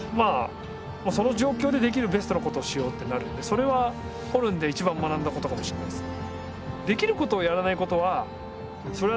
それはホルンで一番学んだことかもしれないですね。